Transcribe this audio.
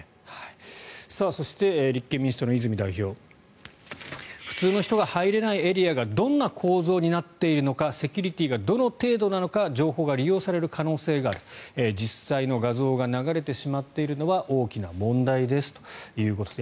そして立憲民主党の泉代表普通の人が入れないエリアがどんな構造になっているのかセキュリティーがどの程度なのか情報が利用される可能性がある実際の画像が流れてしまっているのは大きな問題ですということです。